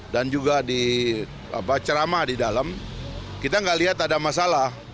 dan juga di cerama di dalam kita nggak lihat ada masalah